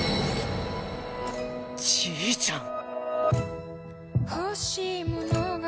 じいちゃん。